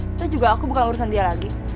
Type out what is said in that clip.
kita juga aku bukan urusan dia lagi